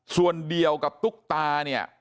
ส่วนเดียวกับตุ๊กตาเนี่ย